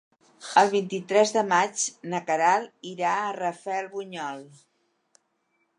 El vint-i-tres de maig na Queralt irà a Rafelbunyol.